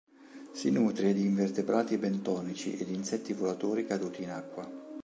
Si nutre di invertebrati bentonici e di insetti volatori caduti in acqua.